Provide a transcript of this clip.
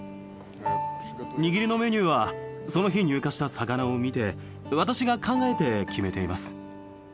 にぎりのメニューはその日入荷した魚を見て私が考えて決めています